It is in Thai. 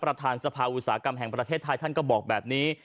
ประธานสภาอุตสาหกรรมแห่งประเทศไทยท่านก็บอกแบบนี้